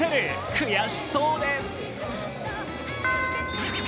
悔しそうです。